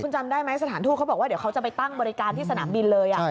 จำได้ไหมสถานทูตเขาบอกว่าเดี๋ยวเขาจะไปตั้งบริการที่สนามบินเลย